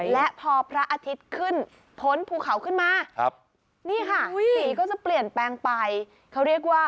และพอพระอาทิตย์ขึ้นพ้นภูเขาขึ้นมา